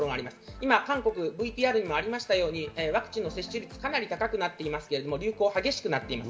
今韓国、ＶＴＲにもありましたが、ワクチンの接種率がかなり高くなっていますけど、流行が激しくなっています。